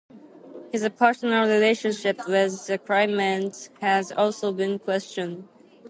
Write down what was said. His personal relationship with the claimants has also been questioned.